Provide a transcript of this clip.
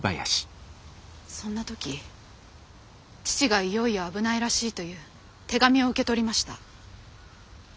そんな時父がいよいよ危ないらしいという手紙を受け取りました。